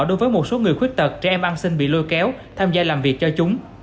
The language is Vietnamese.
đối với một số người khuyết tật trẻ em an sinh bị lôi kéo tham gia làm việc cho chúng